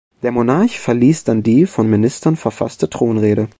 Der Monarch verliest dann die von den Ministern verfasste Thronrede.